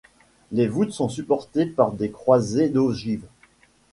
Les voûtes sont supportées par des croisées d'ogives.